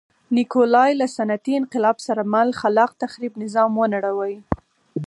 نیکولای له صنعتي انقلاب سره مل خلاق تخریب نظام ونړوي.